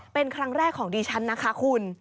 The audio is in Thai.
เป็นครั้งแรกของดิฉันนะคะคุณ